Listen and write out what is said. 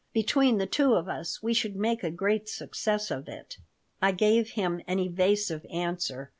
"Between the two of us we should make a great success of it." I gave him an evasive answer.